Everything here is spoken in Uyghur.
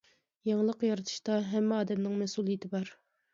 يېڭىلىق يارىتىشتا ھەممە ئادەمنىڭ مەسئۇلىيىتى بار.